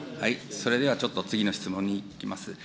それではちょっと、次の質問にいきます。